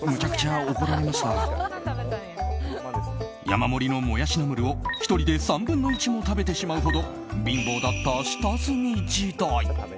山盛りのもやしナムルを１人で３分の１も食べてしまうほど貧乏だった下積み時代。